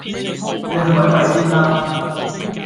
你去揾位先啦